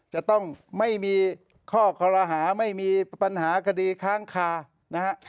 จะต้องไม่มีข้อคอรหาไม่มีปัญหาคดีค้างคานะฮะ